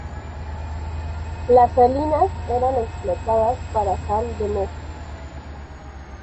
Las salinas eran explotadas para sal de mesa.